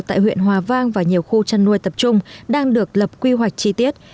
tại huyện hòa vang và nhiều khu chăn nuôi tập trung đang được lập quy hoạch chi tiết